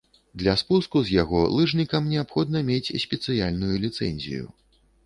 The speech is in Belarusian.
Для спуску з яго лыжнікам неабходна мець спецыяльную ліцэнзію.